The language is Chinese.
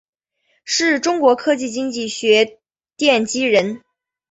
是中国技术经济学奠基人。